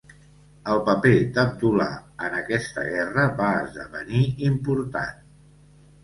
El paper d'Abdullah en aquesta guerra va esdevenir important.